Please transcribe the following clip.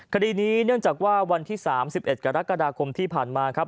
คดีนี้เนื่องจากว่าวันที่๓๑กรกฎาคมที่ผ่านมาครับ